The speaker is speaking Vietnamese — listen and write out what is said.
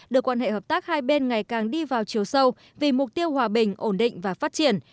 đưa quan hệ hợp tác hai bên ngày càng đi vào chiều sâu vì mục tiêu hòa bình ổn định và phát triển